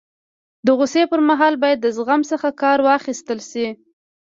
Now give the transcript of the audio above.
د غوصي پر مهال باید د زغم څخه کار واخستل سي.